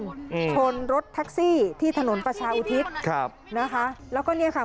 ชนรถทักซี่ที่ถนนประชาอุทิศแล้วก็นี่ค่ะ